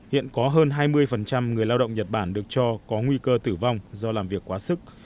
hiện có hơn hai mươi người lao động nhật bản được cho có nguy cơ tử vong do làm việc quá sức